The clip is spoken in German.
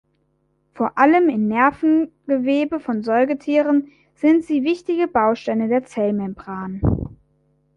Vor allem in Nervengewebe von Säugetieren sind sie wichtige Bausteine der Zellmembran.